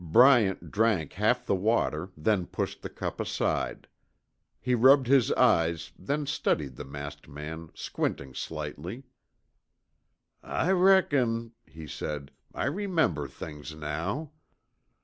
Bryant drank half the water, then pushed the cup aside. He rubbed his eyes, then studied the masked man, squinting slightly. "I reckon," he said, "I remember things now.